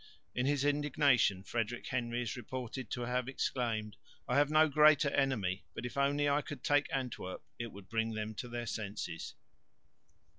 In his indignation Frederick Henry is reported to have exclaimed, "I have no greater enemy, but if only I could take Antwerp, it would bring them to their senses."